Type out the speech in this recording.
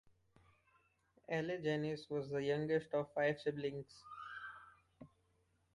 Elly Jannes was the youngest of five siblings.